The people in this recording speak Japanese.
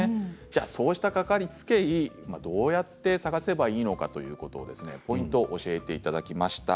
そうした、かかりつけ医をどうやって探せばいいのかということですねポイントを教えていただきました。